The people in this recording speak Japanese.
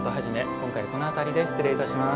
今回はこの辺りで失礼いたします。